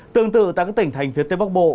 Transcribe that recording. tương tự tại các tỉnh thành phía tây bắc bộ